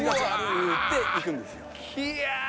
言うて行くんですよ